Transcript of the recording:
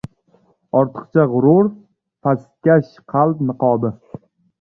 Ortiqcha gurur — pastkash qalb niqobi.